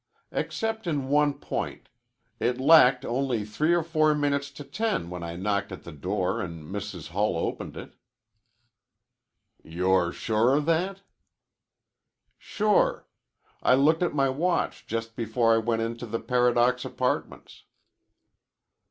"Except in one point. It lacked only three or four minutes to ten when I knocked at the door an' Mrs. Hull opened it." "You're sure of that?" "Sure. I looked at my watch just before I went into the Paradox Apartments."